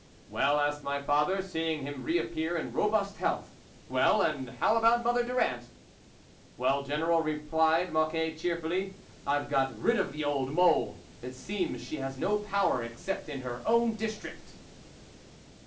" Well," asked my father, seeing him reappear in robust health, " well, and how about Mother Durand ?" "Well, General," replied Mocquetcheer fully, " k l've got rid of the old mole ; it seems she has no power except in her own district."